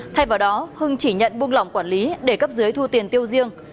thay vào đó hưng chỉ nhận buông lỏng quản lý để cấp dưới thu tiền tiêu riêng